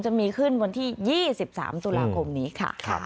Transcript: จะมีขึ้นวันที่๒๓ตุลาคมนี้ค่ะ